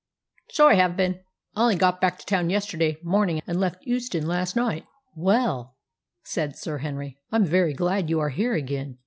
"So I have been. I only got back to town yesterday morning, and left Euston last night." "Well," said Sir Henry, "I'm very glad you are here again.